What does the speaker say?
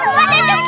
buat aja saja mana